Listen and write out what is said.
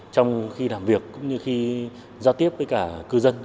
trong khi làm việc cũng như khi giao tiếp với cả cư dân khách hàng